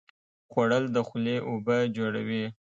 خوړل د خولې اوبه جوړوي